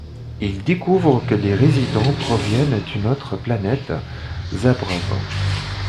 Ils découvrent que les résidents proviennent d'une autre planète, Zabvron.